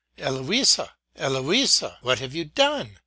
Eloisa, Eloisa ! what have you done